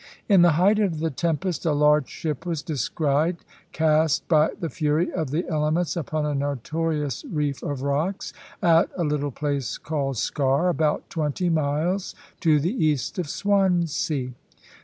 In the height of the tempest a large ship was descried, cast by the fury of the elements upon a notorious reef of rocks, at a little place called Sker, about twenty miles to the east of Swansea.